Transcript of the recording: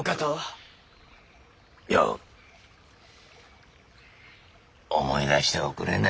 よう思い出しておくれな。